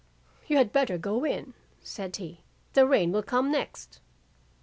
"'You had better go in,' said he, 'the rain will come next.